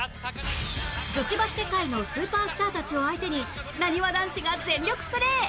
女子バスケ界のスーパースターたちを相手になにわ男子が全力プレー！